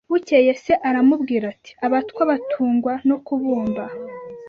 Bukeye se aramubwira ati abatwa batungwa no kubumba